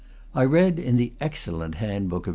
I read in the excellent hand book of M.